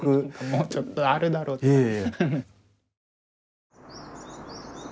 もうちょっとあるだろうとか。